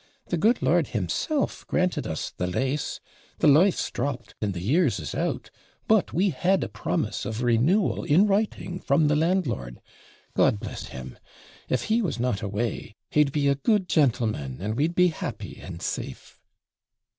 The good lord himself granted us the LASE; the life's dropped, and the years is out; but we had a promise of renewal in writing from the landlord. God bless him! if he was not away, he'd be a good gentleman, and we'd be happy and safe.'